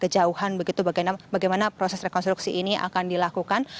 kejauhan begitu bagaimana proses rekonstruksi ini akan dilakukan